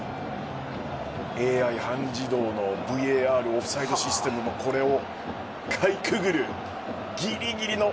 ＡＩ半自動のＶＡＲオフサイドシステムもこれをかいくぐる、ぎりぎりの。